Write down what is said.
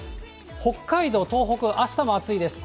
北海道、東北、あしたも暑いです。